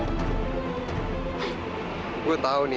gue tahu nih